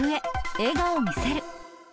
笑顔見せる。